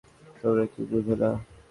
তোমরা কি বুঝ না?